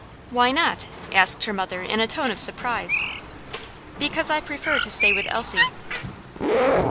"Why not?" asked her mother in a tone of surprise. "Because I prefer to stay with Elsie."